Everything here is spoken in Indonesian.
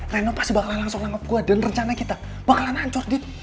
renovasi bakalan langsung langgep gue dan rencana kita bakalan hancur dit